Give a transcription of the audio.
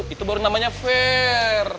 itu baru namanya fair